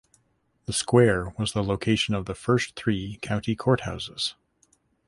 The square was the location of the first three county courthouses.